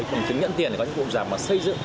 bằng chứng nhận tiền để có những cụm giả mà xây dựng